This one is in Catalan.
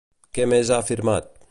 Què més ha afirmat?